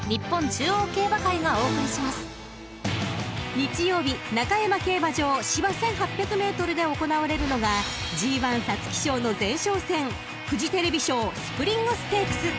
［日曜日中山競馬場芝１，８００ｍで行われるのがＧⅠ皐月賞の前哨戦フジテレビ賞スプリングステークス］